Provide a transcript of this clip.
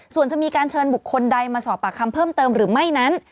ส่วนจะมีการเชิญบุคคลใดมาสอบปากคำเพิ่มเติมหรือไม่นั้น